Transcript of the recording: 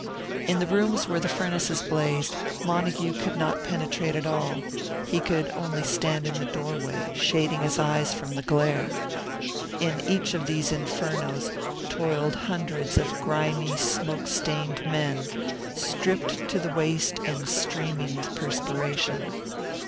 In the rooms where the furnaces blazed, Montague could not penetrate at all; he could only stand in the doorway, shading his eyes from the glare. In each of these infernos toiled hundreds of grimy, smoke stained men, stripped to the waist and streaming with perspiration.